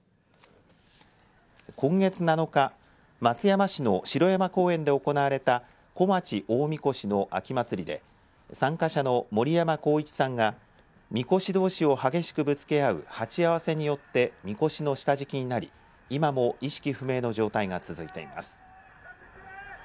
今月７日松山市の城山公園で行われた古町大神輿の秋祭りで参加者の森山幸一さんがみこしどうしを激しくぶつけ合う鉢合わせによってみこしの下敷きになり今も意識不明の状態が続いています。